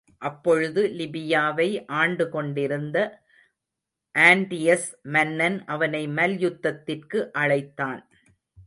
அப்பொழுது லிபியாவை ஆண்டுகொண்டிருந்த ஆன்டியஸ் மன்னன் அவனை மல்யுத்தத்திற்கு அழைத்தான்.